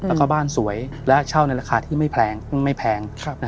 แล้วก็บ้านสวยและเช่าในราคาที่ไม่แพง